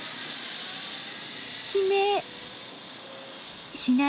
悲鳴しない。